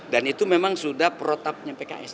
dan itu memang sudah perotapnya pks